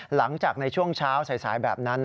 หลังจากในช่วงเช้าสายแบบนั้น